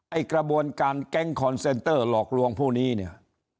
ไอ้กระบวนการแก๊งคอนเซนเตอร์หลอกลวงผู้นี้เนี่ย